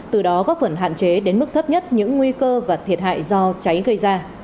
từ đó góp phần hạn chế đến mức thấp nhất những nguy cơ và thiệt hại do cháy gây ra